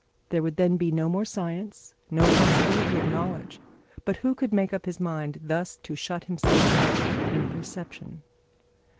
There would then be no more science, no possibility of knowledge. But who could make up his mind thus to shut himself up in perception?